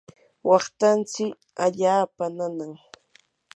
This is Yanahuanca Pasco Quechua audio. waqtanshi allaapa nanan.